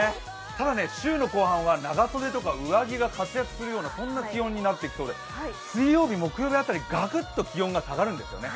ただね、週の後半は長袖や上着が活躍しそうな気温になりそうで水曜日、木曜日辺り、ガクっと気温が下がるんですよね。